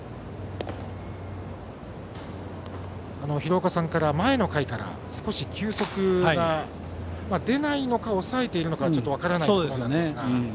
廣岡さんから前の回から少し球速が出ないのか、抑えているのか分からないという話がありました。